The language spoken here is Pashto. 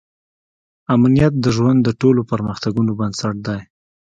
امنیت د ژوند د ټولو پرمختګونو بنسټ دی.